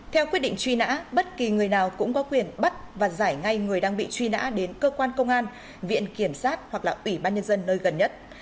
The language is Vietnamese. theo quyết định truy nã bất kỳ người nào cũng có quyền bắt và giải ngay người đang bị truy nã đến cơ quan công an viện kiểm sát hoặc là ủy ban nhân dân nơi gần nhất